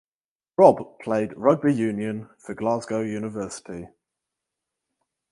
Robb played rugby union for Glasgow University.